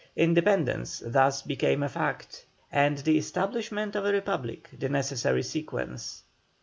Independence thus became a fact, and the establishment of a republic the necessary sequence.